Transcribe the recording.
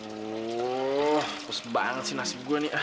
wuh kus banget sih nasib gue nih